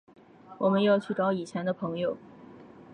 我们要去找以前的朋友